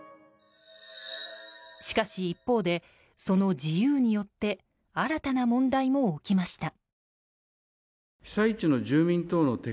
しかし一方で、その自由によって新たな問題も起きました。